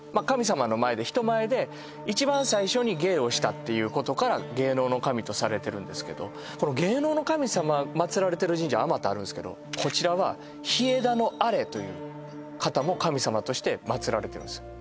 神様の前で人前で一番最初に芸をしたっていうことから芸能の神とされてるんですけどこの芸能の神様祀られてる神社あまたあるんですけどこちらは稗田阿礼という方も神様として祀られてます